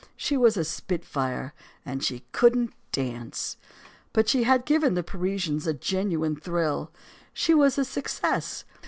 She was a spitfire and she couldn't dance. But she had given the Parisians a genuine thrill. She was a success.